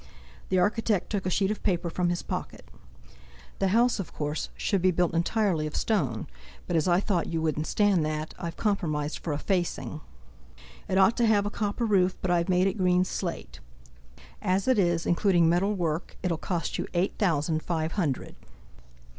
The architect took a sheet of paper from his pocket: "The house, of course, should be built entirely of stone, but, as I thought you wouldn't stand that, I've compromised for a facing. It ought to have a copper roof, but I've made it green slate. As it is, including metal work, it'll cost you eight thousand five hundred."